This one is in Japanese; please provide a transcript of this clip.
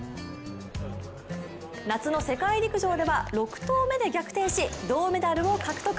夏の世界陸上では、６投目で逆転し銅メダルを獲得。